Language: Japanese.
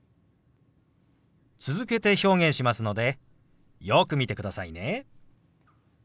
続けて表現しますのでよく見てくださいね。